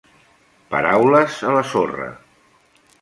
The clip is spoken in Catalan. Paraules a la sorra.